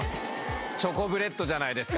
チョコブレッドじゃないですか？